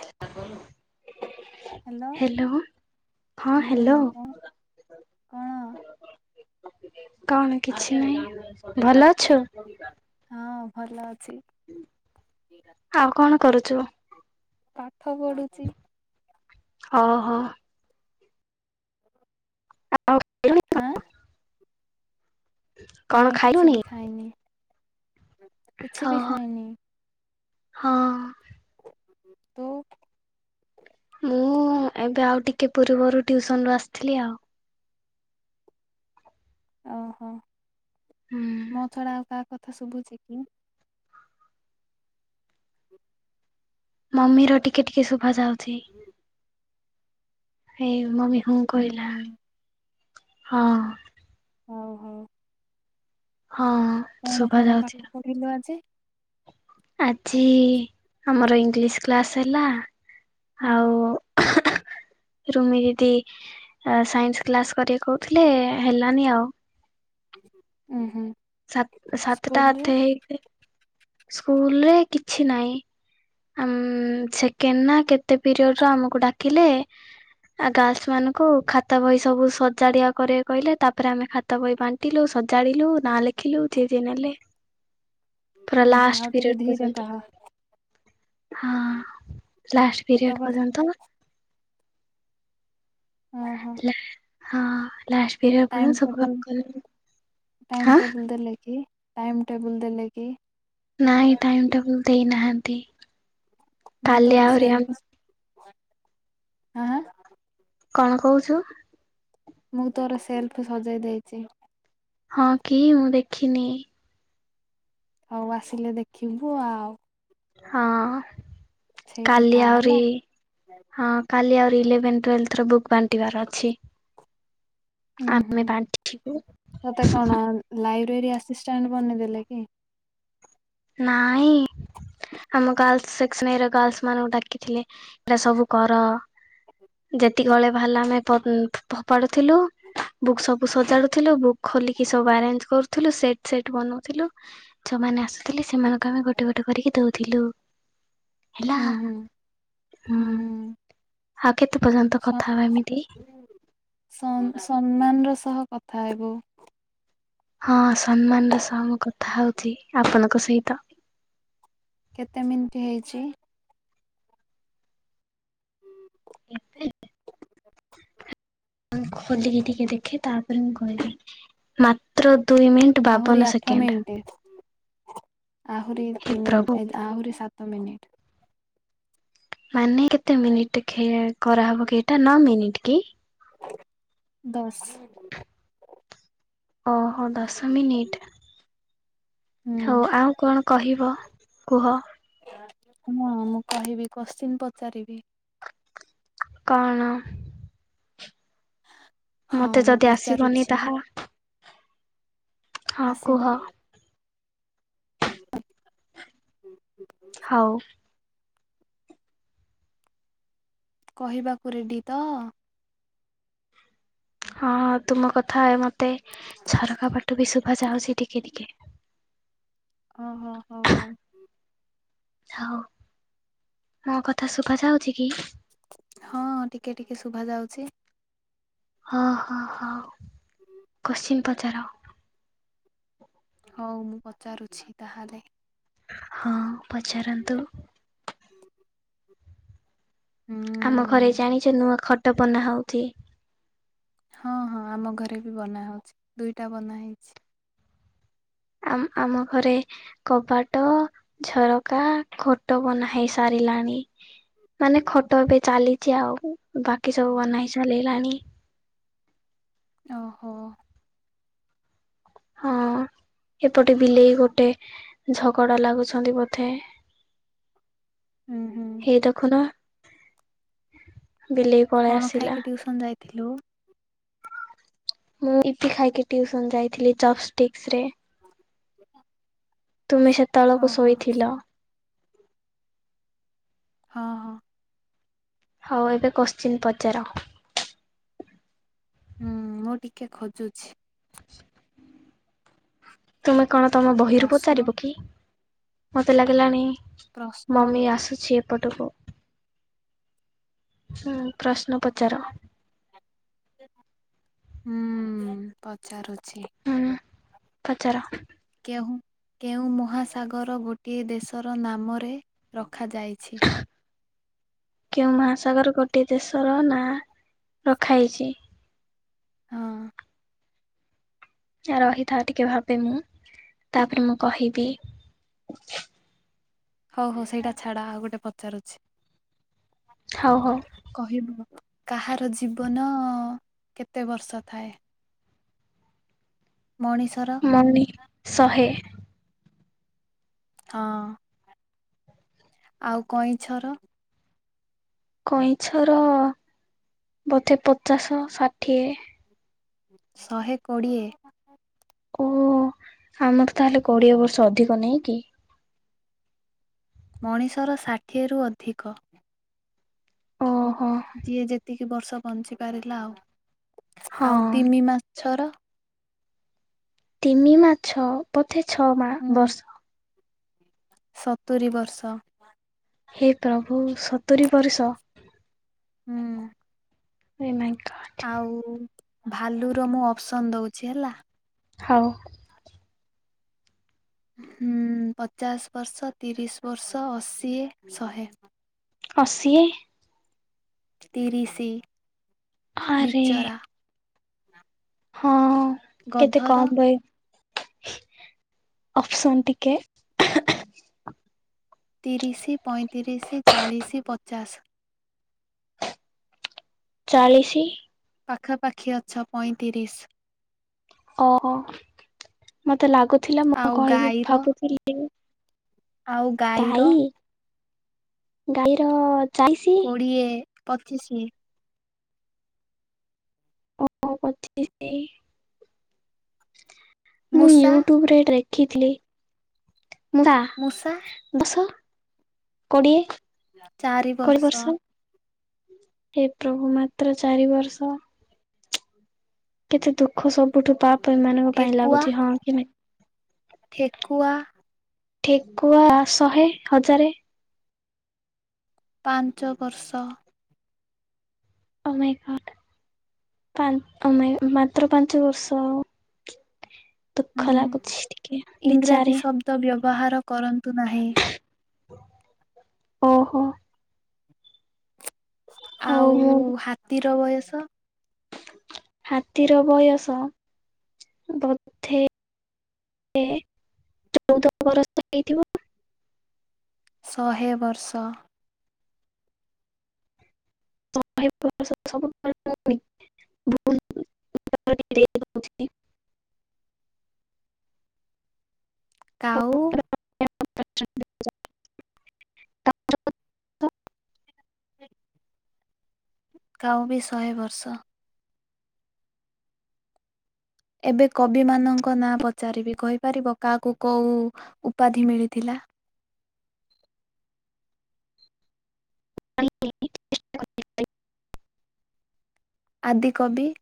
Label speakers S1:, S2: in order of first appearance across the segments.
S1: [inaudible] ଦବନି। ହ୍ୟାଲୋ ହଁ ହ୍ୟାଲୋ।
S2: ହୁଁ କଣ?
S1: କଣ କିଛି ନାଇଁ ଭଲ ଅଚୁ?
S2: ହଁ ଭଲ ଅଛି।
S1: ଆଉ କଣ କରୁଛୁ?
S2: ପାଠ ପଢୁଛି।
S1: ଓହୋ। ଆଉ
S2: ଆଁ।
S1: କଣ
S2: ନାଇଁ କିଛି
S1: ଖାଇଲୁଣି?
S2: ବି ଖାଇନି କିଛି ବି
S1: ଓହୋ
S2: ଖାଇନି।
S1: ହଁ
S2: ତୁ?
S1: ମୁଁ ଏବେ ଆଉ ଟିକେ ପୂର୍ବରୁ ଟିଉସନରୁ ଆସିଥିଲି ଆଉ।
S2: ଅହ
S1: ହୁଁ
S2: ମୋ ଛଡା ଆଉ କାହା କଥା ଶୁଭୁଛି କି?
S1: ମମିର ଟିକେ ଟିକେ ଶୁଭାଯାଉଛି।
S2: [inaudible]
S1: ଏଇ ମମି ହଁ
S2: ହୁଁ
S1: କହିଲା
S2: ହୁଁ
S1: ହଁ
S2: ହଉ ହଉ।
S1: ହଁ
S2: କଣ
S1: ଶୁଭା
S2: କଣ
S1: ଯାଉଛି।
S2: ପାଠ ପଢିଲ ଆଜି?
S1: ଆଜି ଆମର ଇଂଲିଶ କ୍ଲାସ୍ ହେଲା,
S2: ହୁଁ
S1: ଆଉ ରୁମି ଦିଦି ସାଇନ୍ସ କ୍ଲାସ କରିବାକୁ କହୁଥିଲେ ହେଲାନି ଆଉ
S2: ହୁଁ ହୁଁ
S1: ସ ସାତଟା
S2: ସ୍କୁଲରେ
S1: ଅଧେ ହେଇକି ସ୍କୁଲରେ କିଛି ନାହିଁ ଆଁ ମ୍ ସେକେଣ୍ଡ ନା କେତେ ପିରିୟଡରେ ଆମକୁ ଡାକିଲେ ଆ ଗାର୍ଲସ ମାନଙ୍କୁ ଖାତା ବହି ସବୁ ସଜାଡିଆ କରେଇବାକୁ କହିଲେ ତାପରେ ଆମେ ତ ବହି ବାଣ୍ଟିଲୁ, ସଜାଡିଲୁ, ନାଁ ଲେଖିଲୁ ଦିଦି ନେଲେ। ପୁରା
S2: ଉଁ ହୁଁ
S1: ଲାଷ୍ଟ
S2: ଆଉ
S1: ପିରିୟଡ
S2: ଟିକେ ଧୀରେ
S1: ପର୍ଯ୍ୟନ୍ତ
S2: କହ।
S1: ହଁ ଲାଷ୍ଟ
S2: ତୋ
S1: ପିରିୟଡ
S2: କଥା
S1: ପର୍ଯ୍ୟନ୍ତ
S2: ଉଁ ହୁଁ।
S1: ହେଲା, ହଁ ଲାଷ୍ଟ। ପିରିୟଡ
S2: ଟାଇମ୍
S1: ପର୍ଯ୍ୟନ୍ତ ସବୁ
S2: ଟେବୁଲ
S1: କାମ କଲୁ
S2: ଟାଇମ୍
S1: ହାଁ
S2: ଟେବୁଲ ଦେଲେ କି ଟାଇମ୍ ଟେବୁଲ ଦେଲେ କି?
S1: ନାଇଁ ଟାଇମ ଟେବୁଲ ଦେଇନାହାନ୍ତି।
S2: ମୁଁ
S1: କାଲି
S2: ତୋର
S1: ଆହୁରି ଆମ
S2: ସେଲଫ [unintelligible] ଆଁ।
S1: କଣ କହୁଛୁ?
S2: ମୁଁ ତୋର ସେଲ୍ଫ ସଜେଇ ଦେଇଛି।
S1: ହଁ କି ମୁଁ ଦେଖିନି।
S2: ହଉ ଆସିଲେ ଦେଖିବୁ ଆଉ।
S1: ହଁ
S2: ସେଇଠି ଥା
S1: କାଲି
S2: ହେଲା
S1: ଆହୁରି, ହଁ ଖାଲି ଆହୁରି ଇଲେଭେନ ଟୁଏଲଥ୍ ର ବୁକ୍ ବାଣ୍ଟିବାର ଅଛି।
S2: ଉୁଁ ହୁଁ
S1: ଆମେ ବାଣ୍ଟିଥିବୁ
S2: ତତେ କଣ ଲାଇବ୍ରେରୀ ଆସିଷ୍ଟାଣ୍ଟ ବନେଇଦେଲେ କି?
S1: ନାଇଁ ଆମ ଗାର୍ଲ୍ସ ସେକ୍ସନ ଗାର୍ଲ୍ସମାନଙ୍କୁ ଡାକିଥିଲେ ଏରା ସବୁ କର ଯେତିକି ଅଳିହା ବାହାରିଲା ଆମେ ପ ଫୋପାଡୁଥିଲୁ। ବୁକ୍ ସବୁ ସଜାଡୁଥିଲୁ ବୁକ୍ ଖୋଲିକି ସବୁ ଆରେଞ୍ଜ କରୁଥିଲୁ ସେଟ ସେଟ ବନଉଥିଲୁ। ଯୋଉମାନେ ଆସୁଥିଲେ ସେମାନଙ୍କୁ ଆମେ ଗୋଟେ ଗୋଟେ କରିକି ଦଉଥିଲୁ। ହେଲା ହୁଁ
S2: ହୁଁ
S1: ଆଉ କେତେ ପର୍ଯ୍ୟନ୍ତ କଥା ହବା ଏମିତି?
S2: ସ ସମ୍ମାନର ସହ କଥା ହେବୁ।
S1: ହଁ ସମ୍ମାନର ସହ ମୋ କଥା ହଉଛି ଆପଣଙ୍କ ସହିତ।
S2: କେତେ ମିନିଟ୍ ହେଇଛି?
S1: ଏବେ
S2: [inaudible]
S1: ମୁଁ ଖୋଲିକି ଟିକେ ଦେଖେ ତାପରେ ମୁଁ କହିବି ମାତ୍ର ଦୁଇ ମିନିଟ
S2: ଆହୁରି ଆଠ ମିଣ୍ଟି। ଆହୁରି
S1: ହେ
S2: ତିନି ମି
S1: ପ୍ରଭୁ
S2: ଏ ଆହୁରି ସାତ ମିନିଟ୍।
S1: ମାନେ କେତେ ମିନିଟ୍ ଦେଖେ କରାହେବ କି ଏଇଟା ନଅ ମିନିଟ କି?
S2: ଦଶ୍।
S1: ଓହୋ ଦଶ ମିନିଟ୍। ହଉ
S2: ହୁଁ
S1: ଆଉ କଣ କହିବ କୁହ।
S2: ହଁ ମୁଁ କହିବି କୋଶ୍ଚେନ ପଚାରିବି।
S1: କଣ?
S2: ହଁ
S1: ମତେ
S2: ମୁଁ
S1: ଯଦି ଆସିବନି
S2: ପଚାରୁଛି
S1: ତାହା। ହଁ କୁହ।
S2: ହୁଁ।
S1: ହଉ।
S2: କହିବାକୁ ରେଡ଼ି ତ?
S1: ହଁଁ ତୁମ କଥା ମତେ ଝରକା ପଟେ ବି ଶୁଭା ଯାଉଚି ଟିକେ ଟିକେ।
S2: ଓହୋ ହଁ ହଁ।
S1: ହଉ ମୋ କଥା ଶୁଭା ଯାଉଛି କି?
S2: ହଁ ଟିକେ ଟିକେ ଶୁଭା ଯାଉଛି।
S1: ଓହୋ ହୋଉ କୋଶ୍ଚେନ ପଚାର।
S2: ହଉ ମୁଁ ପଚାରୁଛି ତାହେଲେ।
S1: ହଁ ପଚାରନ୍ତୁ।
S2: ହୁଁ।
S1: ଆମ ଘରେ ଜାଣିଛ ନୂଆ ଖଟ ବନା ହଉଛି।
S2: ହଁ ହଁ ଆମ ଘରେ ବି ବନା ହଉଛି, ଦୁଇଟା ବନା ହେଇଛି।
S1: ଆ ଆମ ଘରେ କବାଟ, ଝରକା, ଖଟ ବନା ହେଇ ସାରିଲାଣି। ମାନେ ଖଟ ଏବେ ଚାଲିଛି ଆଉ। ବାକି ସବୁ ବନା ହେଇସାଇଲାଣି।
S2: ଓହୋ।
S1: ହଁ ଏପଟେ ବିଲେଇ ଗୋଟେ ଝଗଡା ଲାଗୁଛନ୍ତି ବୋଧେ।
S2: ଉଁ ହୁଁ।
S1: ହେଇ ଦେଖୁନ ବିଲେଇ ପଳେଇ
S2: କଣ
S1: ଆସିଲା
S2: ଖାଇକି ଟିଉସନ୍ ଯାଇଥିଲୁ?
S1: ମୁଁ ଇପି ଖାଇକି ଟ୍ୟୁସନ ଯାଇଥିଲି ଚପ୍ ଷ୍ଟିକସ୍ ରେ।
S2: [unintelligible]
S1: ତୁମେ ସେତେବେଳକୁ
S2: ଓହୋ
S1: ଶୋଇଥିଲ।
S2: ହଁ ହଁ।
S1: ହଉ ଏବେ କୋଶ୍ଚିନ ପଚାର।
S2: ହୁଁ ମୁଁ ଟିକେ ଖୋଜୁଛି।
S1: ତୁମେ କଣ ତମ ବହିରୁ
S2: ପ୍ରଶ୍ନ
S1: ପଚାରିବ କି? ମତେ ଲାଗିଲାଣି
S2: ପ୍ରଶ୍ନ
S1: ମମି ଆସୁଛି ଏପଟକୁ। ହୁଁ ପ୍ରଶ୍ନ ପଚାର।
S2: ହୁଁ ପଚାରୁଛି।
S1: ହୁଁ ପଚାର।
S2: କେହୁଁ କେଉଁ ମହାସାଗର ଗୋଟିଏ ଦେଶର ନାମରେ ରଖାଯାଇଛି?
S1: କେଉଁ ମହାସାଗର ଗୋଟେ ଦେଶର ନାଁ ରଖା ହେଇଛି?
S2: ହଁ।
S1: ରହିଥା ଟିକେ ଭାବେ ମୁଁ ତାପରେ ମୁଁ କହିବି।
S2: ହଉ ହଉ ସେଇଟା ଛାଡ ଆଉ ଗୋଟେ ପଚାରୁଛି।
S1: ହଉ ହଉ।
S2: କହିବୁ କାହାର ଜୀବନ କେତେ ବର୍ଷ ଥାଏ? ମଣିଷର
S1: ମନି ଶହେ।
S2: ହଁ। ଆଉ କଇଁଛର?
S1: କଇଁଛର ବଧେ ପଚାଶ ଷାଠିଏ।
S2: ଶହେ କୋଡ଼ିଏ।
S1: ଓ ଆମର ତାହେଲେ କୋଡିଏ ବର୍ଷ ଅଧିକ ନାଇଁ କି?
S2: ମଣିଷର ଷାଠିଏରୁୁ ଅଧିକ।
S1: ଓହୋ
S2: ଯିଏ ଯେତିକି ବର୍ଷ ବଞ୍ଚି ପାରିଲା ଆଉ
S1: ହଁ
S2: ଆଉ ତିନି ମା ଛର।
S1: ତିମି ମାଛ ବୋଧେ ଛଅ ମା ବର୍ଷ।
S2: ସତୁୁରୀ ବର୍ଷ।
S1: ହେ ପ୍ରଭୁ ସତୁୁରି ବର୍ଷ।
S2: ହୁଁ।
S1: ଏ ମାଇଁ ଗଡ଼।
S2: ଆଉ ଭାଲୁ ର ମୁଁ ଅପସନ୍ ଦଉଛି ହେଲା।
S1: ହଉ।
S2: ହୁଁ ପଚାଶ ବର୍ଷ ତିରିଶ୍ ବର୍ଷ ଅଶୀ ଶହେ?
S1: ଅଶୀ।
S2: ତିରିଶି
S1: ଆରେ
S2: ବିଚରା।
S1: ହଁ କେତେ
S2: ଗଧର
S1: କମ୍ ଭାଇ ଅପସନ୍ ଟିକେ?
S2: ତିରିଶି ପଇଁତିରିଶି ଚାଳିଶି ପଚାଶ୍।
S1: ଚାଳିଶି।
S2: ପାଖାପାଖି ଅଛ ପଇଁତିରିଶି।
S1: ଓ ମତେ ଲାଗୁଥିଲା ମୁଁ
S2: ଆଉ
S1: କହିବି
S2: ଗାଈର
S1: ଭାବୁଥିଲି।
S2: ଆଉ ଗାଈର
S1: ଗାଈ ଗାଈର ଚାଳିଶି
S2: କୋଡିଏ ପଚିଶି।
S1: ଓ ପଚିଶି। ମୁଁ
S2: ମୂଷା
S1: ୟୁଟ୍ୟୁବ୍ ରେ ଦେଖିଥିଲି ମୁଁତା
S2: ମୂଷା।
S1: ବଶ କୋଡ଼ିଏ କୋଡ଼ିଏ ବର୍ଷ। ହେ ପ୍ରଭୁ ମାତ୍ର ଚାରି ବର୍ଷ। କେତେ ଦୁଃଖ ସବୁଠୁ ବାପ ଏମାନଙ୍କ ପାଇଁ
S2: ଠେକୁଆ
S1: ଲାଗୁଛି ହଁ କି ନାଇଁ?
S2: ଠେକୁଆ।
S1: ଠେକୁଆ ଶହେ ହଜାରେ।
S2: ପାଞ୍ଚ ବର୍ଷ।
S1: ଓ ମାଇଁ ଗଡ। ପା ଓ ମାଇଁ ମାତ୍ର ପାଞ୍ଚ ବର୍ଷ। ଦୁଃଖ ଲାଗୁଛି ଟିକେ ବିଚାରି।
S2: ତ ବ୍ୟବହାର କରନ୍ତୁ ନାହିଁ।
S1: ଓହୋ। ହଉ
S2: ଆଉ
S1: ମୁଁ
S2: ହାତୀର ବୟସ।
S1: ହାତୀର ବୟସ ବଧେ। ଚଉଦ ବର୍ଷ ହେଇଥିବ।
S2: ଶହେ ବର୍ଷ।
S1: ବୁ ଭ [unintelligible] ଆଉ
S2: କାଉ।
S1: [inaudible]
S2: କାଉ ବି ଶହେ ବର୍ଷ। ଏବେ କବି ମାନଙ୍କ ନାଁ ପଚାରିବି କହିପାରିବ କାହାକୁ କୋଉ ଉପାଧି ମିଳିଥିଲା।
S1: [inaudible]
S2: ଆଦିକବି।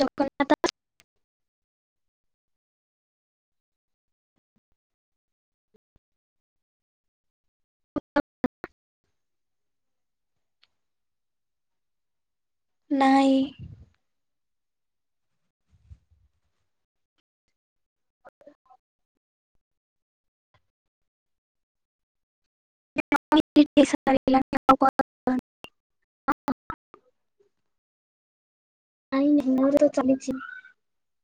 S1: ଦଖଲ। ନାଇଁ। ଆ। [inaudible] ନାଇଁ ଇଁ ମୁୋର ତ ଚାଲିଛି।